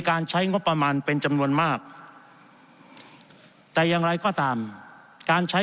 การใช้งบประมาณเป็นจำนวนมากแต่อย่างไรก็ตามการใช้